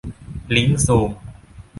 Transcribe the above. ลิงก์ซูม